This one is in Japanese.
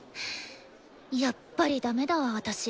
やっぱりダメだわ私。